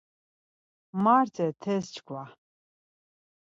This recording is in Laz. Marte t̆es çkva.